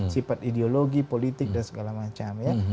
sifat ideologi politik dan segala macam ya